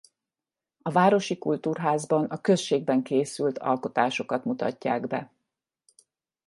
A városi kultúrházban a községben készült alkotásokat mutatják be.